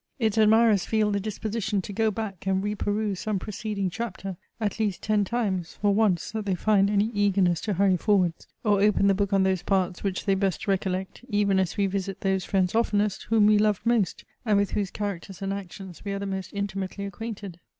Its admirers feel the disposition to go back and re peruse some preceding chapter, at least ten times for once that they find any eagerness to hurry forwards: or open the book on those parts which they best recollect, even as we visit those friends oftenest whom we love most, and with whose characters and actions we are the most intimately acquainted.